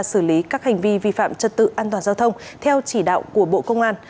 xử lý các hành vi vi phạm trật tự an toàn giao thông theo chỉ đạo của bộ công an